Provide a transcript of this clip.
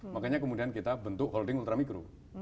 makanya kemudian kita bentuk holding ultramikro